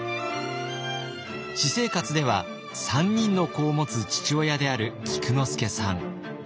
私生活では３人の子を持つ父親である菊之助さん。